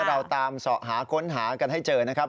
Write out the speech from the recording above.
เราตามเสาะหาค้นหากันให้เจอนะครับ